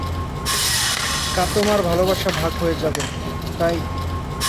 কাতোমার ভালোবাসা ভাগ হয়ে যাবে, তাই।